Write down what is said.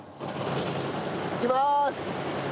いきます！